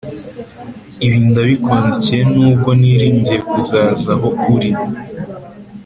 Ibi ndabikwandikiye nubwo niringiye kuzaza aho uri.